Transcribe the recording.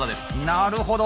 なるほど。